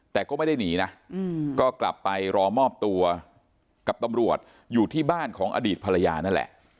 แต่ก็ไม่ได้หนีนะก็กลับไปรอมอบตัวกับตำรวจอยู่ที่บ้านของอดีตภรรยานั่นแหละ